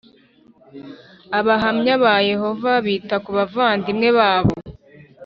Abahamya ba Yehova bita ku bavandimwe babo